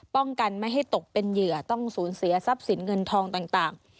ป้องกันไม่ให้ตกเป็นเหยื่อต้องสูญเสียทรัพย์สินเงินทองต่าง